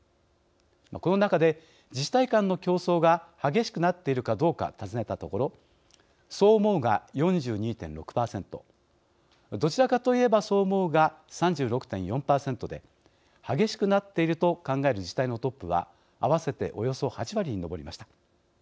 この中で、自治体間の競争が激しくなっているかどうか尋ねたところ「そう思う」が４２．６％「どちらかといえばそう思う」が３６．４％で「激しくなっている」と考える自治体のトップは合わせておよそ８割に上りました。